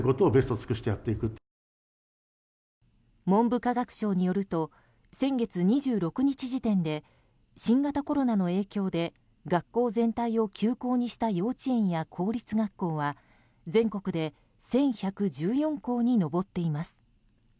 文部科学省によると先月２６日時点で新型コロナの影響で学校全体を休校にした幼稚園や公立学校は、全国で１１１４校に上っています。